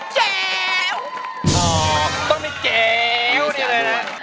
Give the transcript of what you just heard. เจ๊ว